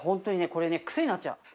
これねクセになっちゃう。